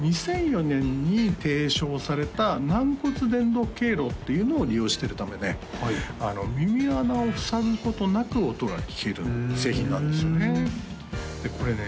２００４年に提唱された軟骨伝導経路っていうのを利用してるためで耳穴を塞ぐことなく音が聴ける製品なんですよねでこれね